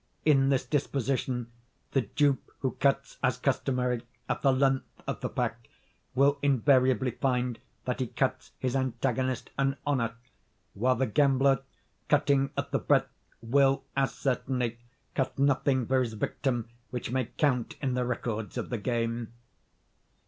In this disposition, the dupe who cuts, as customary, at the length of the pack, will invariably find that he cuts his antagonist an honor; while the gambler, cutting at the breadth, will, as certainly, cut nothing for his victim which may count in the records of the game.